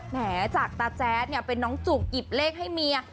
แม้จากตาแจ๊ดเนี่ยเป็นน้องจุกหยิบเลขให้เมีย